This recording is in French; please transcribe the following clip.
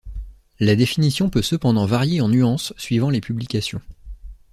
La définition peut cependant varier en nuances suivant les publications.